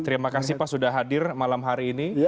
terima kasih pak sudah hadir malam hari ini